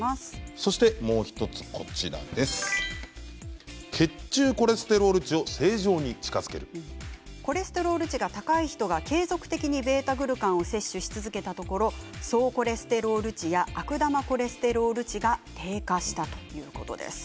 そしてもう１つ血中コレステロール値をコレステロール値が高い人が継続的にβ−グルカンを摂取し続けたところ総コレステロール値や悪玉コレステロール値が低下したということです。